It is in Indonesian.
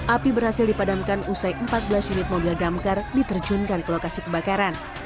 api berhasil dipadamkan usai empat belas unit mobil damkar diterjunkan ke lokasi kebakaran